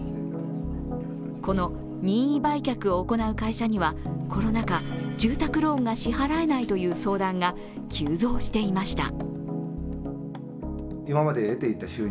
この任意売却を行う会社にはコロナ禍住宅ローンが支払えないという相談が急増していました。